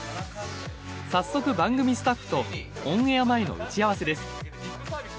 早速、番組スタッフとオンエア前の打ち合わせです。